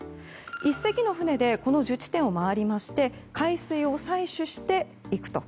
１隻の船でこの１０地点を回って海水を採取していくと。